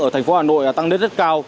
ở thành phố hà nội tăng đến rất cao